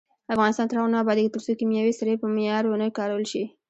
افغانستان تر هغو نه ابادیږي، ترڅو کیمیاوي سرې په معیار ونه کارول شي.